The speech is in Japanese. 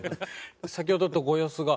先ほどとご様子が。